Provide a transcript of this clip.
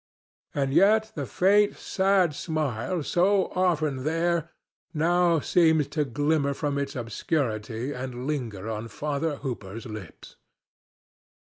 And yet the faint, sad smile so often there now seemed to glimmer from its obscurity and linger on Father Hooper's lips.